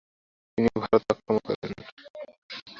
তিনি ভারত আক্রমণ করেন।